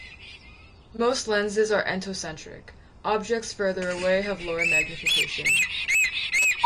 Most lenses are entocentric-objects further away have lower magnification.